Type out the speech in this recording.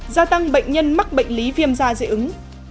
gia tăng bệnh nhân mắc bệnh lý viêm da dễ ứng